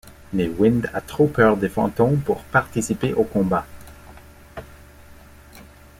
Mais Wind a trop peur des fantômes pour participer aux combats.